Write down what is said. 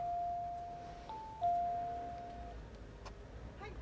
はい。